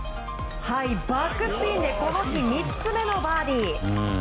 バックスピンでこの日３つ目のバーディー。